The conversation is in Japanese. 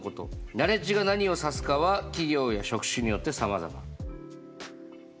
ナレッジが何を指すかは企業や職種によってさまざま。